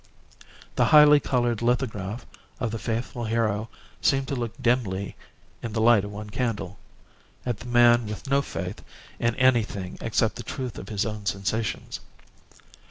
The highly coloured lithograph of the Faithful Hero seemed to look dimly, in the light of one candle, at the man with no faith in anything except the truth of his own sensations.